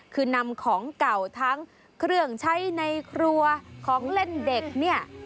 คือนำของเก่าทั้งเครื่องใช้ในครัวของเล่นเด็กเนี่ย